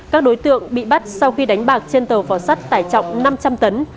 các đối tượng bị bắt sau khi đánh bạc trên tàu phò sắt tải trọng năm trăm linh tấn